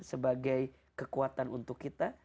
sebagai kekuatan untuk kita